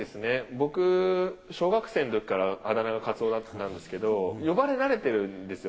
僕、小学生のときからあだ名がカツオだったんですけど、呼ばれなれてるんですよ。